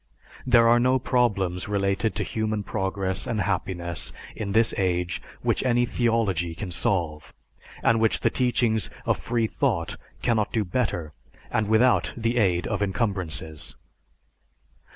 There are no problems related to human progress and happiness in this age which any theology can solve, and which the teachings of freethought cannot do better and without the aid of encumbrances.